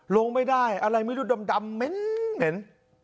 ลงไม่ได้อะไรไม่ดูดำดำเม้นเหม็น